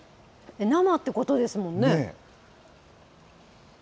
生ってことですもんね。